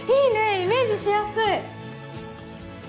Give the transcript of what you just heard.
イメージしやすい。